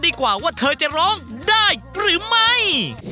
ดีกว่าว่าเธอจะร้องได้หรือไม่